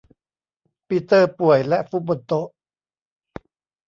ปีเตอร์ป่วยและฟุบบนโต๊ะ